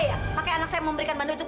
iya aku begitu